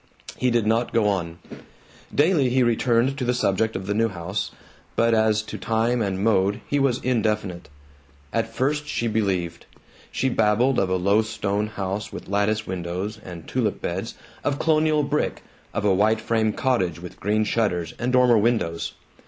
He did not go on. Daily he returned to the subject of the new house, but as to time and mode he was indefinite. At first she believed. She babbled of a low stone house with lattice windows and tulip beds, of colonial brick, of a white frame cottage with green shutters and dormer windows.